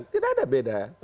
tidak ada beda